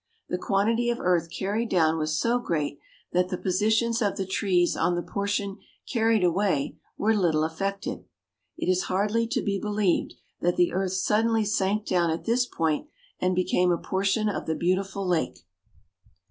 The quantity of earth carried down was so great that the positions of the trees on the portion carried away were little affected. It is hardly to be believed that the earth suddenly sank down at this point and became a portion of the beautiful lake.